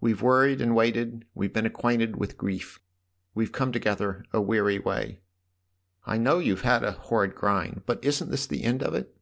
We've worried and waited we've been acquainted with grief. We've come together a weary way." " I know you've had a horrid grind. But isn't this the end of it